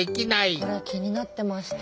これ気になってました。